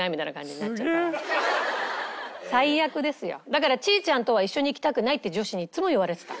だから「ちーちゃんとは一緒に行きたくない」って女子にいつも言われてた。